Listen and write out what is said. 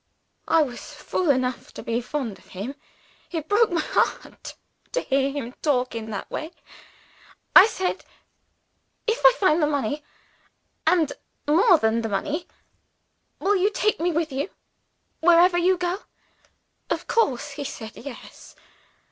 I was fool enough to be fond of him. It broke my heart to hear him talk in that way. I said, 'If I find the money, and more than the money, will you take me with you wherever you go?' Of course, he said Yes.